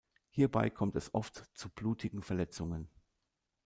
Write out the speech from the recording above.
Hierbei kommt es oft zu blutigen Verletzungen.